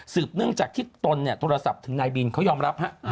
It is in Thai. สืบเนื่องจากที่ตนโทรศัพท์ถึงนายบินเขายอมรับว่า